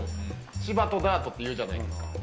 芝とダートっていうじゃないですか。